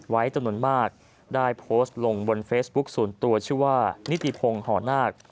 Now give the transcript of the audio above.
จำนวนมากได้โพสต์ลงบนเฟซบุ๊คส่วนตัวชื่อว่านิติพงศ์ห่อนาค